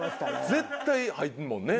絶対入るもんね。